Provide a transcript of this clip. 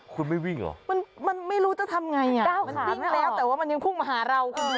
คุณไม่วิ่งเหรอมันไม่รู้จะทำไงอ่ะมันวิ่งแล้วแต่ว่ามันยังพุ่งมาหาเราคุณ